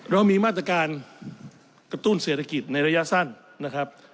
เรามีมาตรการกระตุ้นเศรษฐกิจในระยะสั้นนะครับ